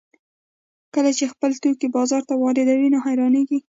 کله چې خپل توکي بازار ته واردوي نو حیرانېږي